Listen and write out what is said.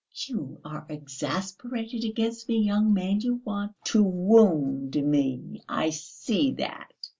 "You are exasperated against me, young man, you want to wound me, I see that.